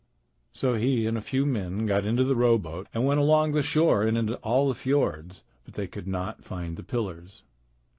So he and a few men got into the rowboat and went along the shore and into all the fiords, but they could not find the pillars.